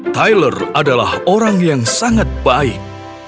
tilor adalah orang yang sangat baik